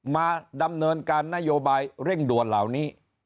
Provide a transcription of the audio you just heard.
มาดำเนินการนโยบายเร่งด่วนเหล่านี้